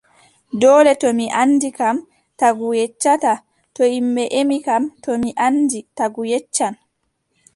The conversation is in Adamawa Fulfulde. Doole to mi anndi kam, tagu yeccata, to ƴimɓe ƴemi kam to mi anndi, tagu yeccan.